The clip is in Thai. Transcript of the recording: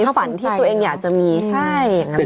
แสบไฟวนทัยตัวเองอยากจะมีใช่อย่างเนอะแหละ